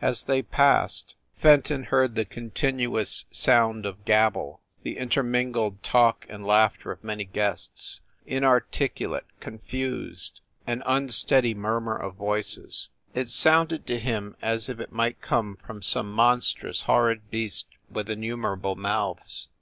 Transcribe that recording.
As they passed, Fenton heard the continuous 229 230 FIND THE WOMAN sound of gabble the intermingled talk and laugh ter of many guests, inarticulate, confused, an un steady murmur of voices. It sounded to him as if it might come from some monstrous, horrid beast with innumerable mouths.